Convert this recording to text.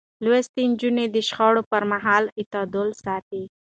لوستې نجونې د شخړو پر مهال اعتدال ساتي.